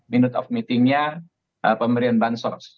minute of meeting nya pemberian bansos